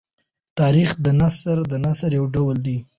تاریخي نثر د نثر یو ډول دﺉ.